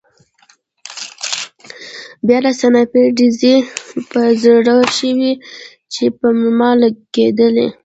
بیا د سنایپر ډزې را په زړه شوې چې پر ما کېدلې